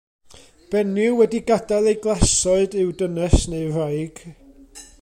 Benyw wedi gadael ei glasoed yw dynes neu wraig.